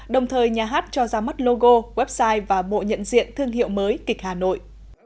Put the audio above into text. đồng thời nhà hát cho ra mắt logo website và bộ nhận diện thương hiệu mới kịch hà nội